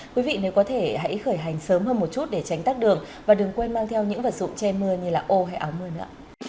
quý vị nếu có thể hãy khởi hành sớm hơn một chút để tránh tắt đường và đừng quên mang theo những vật dụng che mưa như là ô hay áo mưa nữa